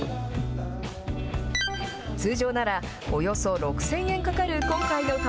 通常なら、およそ６０００円かかる今回の旅。